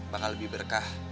bakal lebih berkah